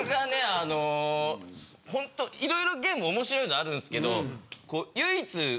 あのホントいろいろゲーム面白いのあるんっすけど。